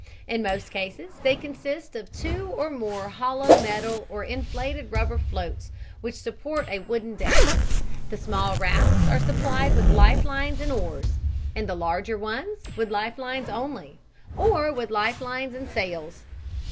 In most cases they consist of two or more hollow metal or inflated rubber floats which support a wooden deck. The small rafts are supplied with life lines and oars, and the larger ones with life lines only, or with life lines and sails.